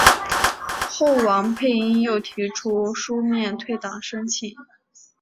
后王佩英又提出书面退党申请。